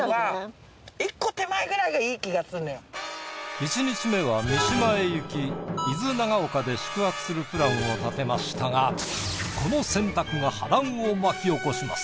１日目は三島へ行き伊豆長岡で宿泊するプランを立てましたがこの選択が波乱を巻き起こします。